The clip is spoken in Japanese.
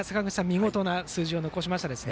見事な数字を残しましたね。